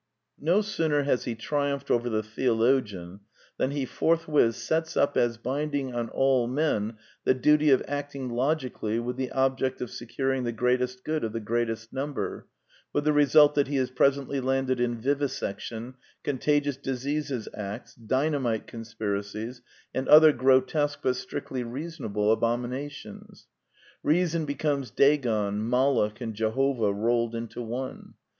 No sooner has he triumphed over the theologian than he forthwith sets up as bind ing on all men the duty of acting logically with the object of securing the greatest good of the greatest number, with the result that he is pres ently landed in vivisection, Contagious Diseases Acts, dynamite conspiracies, and other grotesque but strictly reasonable abominations. Reason be comes Dagon, Moloch, and Jehovah rolled into one.